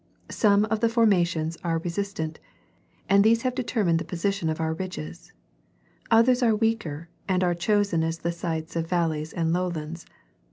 Some of the forma tions are resistent, and these have determined the position of our ridges ; others are weaker and are chosen as the sites of valleys and lowlands.